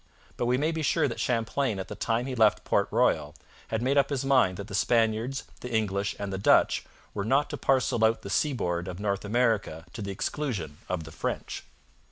But we may be sure that Champlain at the time he left Port Royal had made up his mind that the Spaniards, the English, and the Dutch were not to parcel out the seaboard of North America to the exclusion of the French.